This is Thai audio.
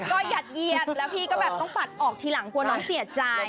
ก็หยัดเหยียดแล้วพี่ก็แบบต้องปัดออกทีหลังกลัวน้องเสียใจ